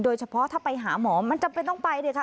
โดยเฉพาะถ้าไปหาหมอมันจำเป็นต้องไปดิค่ะ